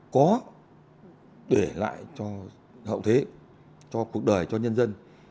có để lại cho hậu thế cho cuộc đời cho nhân dân